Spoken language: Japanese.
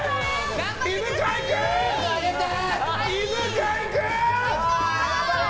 犬飼君！